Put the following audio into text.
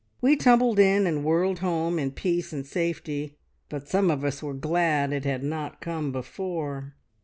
We tumbled in and whirled home in peace and safety, but some of us were glad it had not come before.